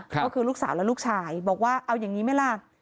ก็คือลูกสาวและลูกชายบอกว่าเอาอย่างนี้ไหมล่ะ